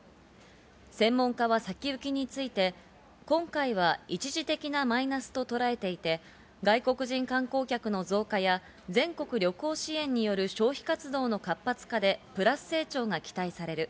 専門家は先行きについて、今回は一時的なマイナスととらえていて、外国人観光客の増加や、全国旅行支援による消費活動の活発化でプラス成長が期待される。